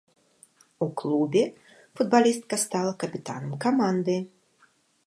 У клубе футбалістка стала капітанам каманды.